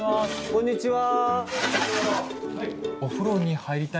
こんにちは。